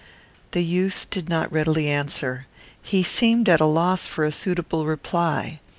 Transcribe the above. The youth did not readily answer. He seemed at a loss for a suitable reply.